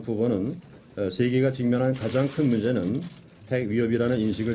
kami mengerti bahwa sebagai presiden baru amerika serikat